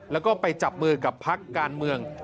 แล้วก็ไปจับมือกับพักการเมือง